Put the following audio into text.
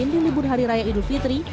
di libur hari raya idul fitri